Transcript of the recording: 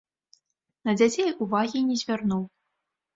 На дзяцей увагі не звярнуў.